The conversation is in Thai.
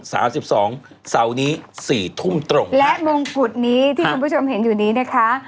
เสาร์นี้๔ทุ่มตรงและมุมกุฏนี้ที่คุณผู้ชมเห็นอยู่นี้นะคะ